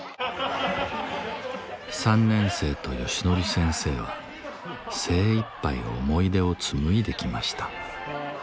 ３年生とヨシノリ先生は精いっぱい思い出を紡いできました。